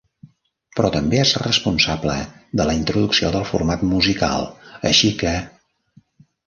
Però també és responsable de la introducció del format musical, així que...